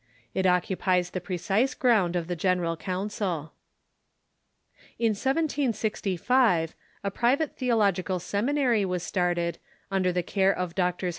It occupies the precise ground of the Genei al Council. In 1765 a private theological seminary Avas started, under the care of Drs.